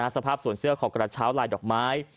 สภาพสวนเสื้อของกระเช้าลายดอกไม้